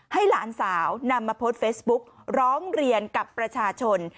หลานสาวนำมาโพสต์เฟซบุ๊กร้องเรียนกับประชาชน